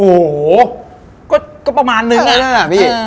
โอ้โหก็ประมาณนึงอ่ะ